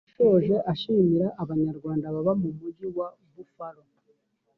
yashoje ashimira abanyarwanda baba mu mugi wa buffalo.